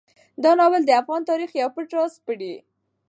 دا ناول د افغان تاریخ یو پټ راز سپړي.